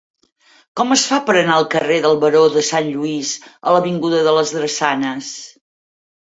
Com es fa per anar del carrer del Baró de Sant Lluís a l'avinguda de les Drassanes?